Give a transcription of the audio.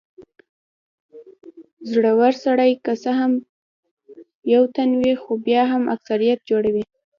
زړور سړی که څه هم یو تن وي خو بیا هم اکثريت جوړوي.